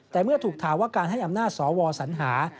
แต่เมื่อถูกถามว่าการให้อำนาจสวสัญหา